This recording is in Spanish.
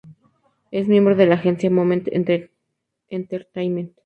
Es miembro de la agencia Moment Entertainment.